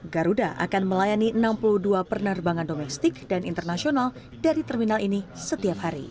garuda akan melayani enam puluh dua penerbangan domestik dan internasional dari terminal ini setiap hari